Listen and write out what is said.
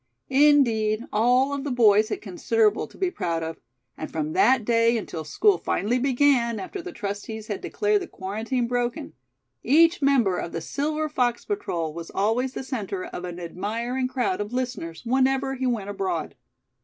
Indeed, all of the boys had considerable to be proud of; and from that day until school finally began, after the trustees had declared the quarantine broken, each member of the Silver Fox Patrol was always the center of an admiring crowd of listeners whenever he went abroad.